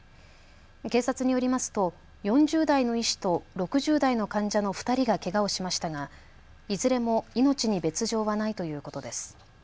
警察によりますと４０代の医師と６０代の患者の２人がけがをしましたがいずれも命に別状はないということです。